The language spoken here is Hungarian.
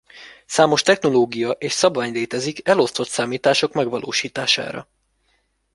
Számos technológia és szabvány létezik elosztott számítások megvalósítására.